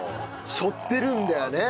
しょってるんだよね。